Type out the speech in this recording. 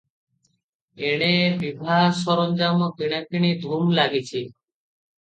ଏଣେ ବିଭା ସରଞ୍ଜାମ କିଣାକିଣି ଧୁମ୍ ଲାଗିଛି ।